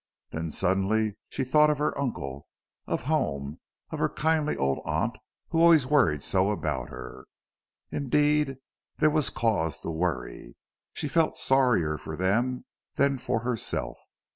Then suddenly she thought of her uncle, of home, of her kindly old aunt who always worried so about her. Indeed, there was cause to worry. She felt sorrier for them than for herself.